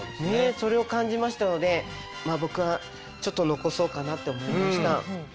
それを感じましたので僕はちょっと残そうかなって思いました。